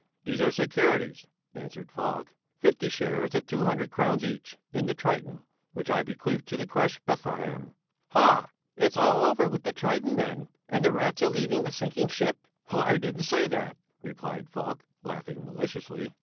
"These are securities," answered Falk; "fifty shares at two hundred crowns each in the 'Triton,' which I bequeath to the crèche Bethlehem." "Haha! It's all over with the 'Triton,' then, and the rats are leaving the sinking ship!" "I didn't say that," replied Falk, laughing maliciously.